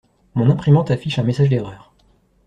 Mon imprimante affiche un message d'erreur.